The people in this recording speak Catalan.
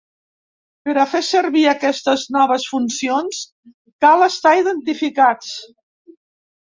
Per a fer servir aquestes noves funcions cal estar identificats.